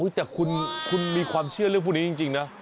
แต่คุณมีความเชื่อเรื่องพวกนี้จริงนะ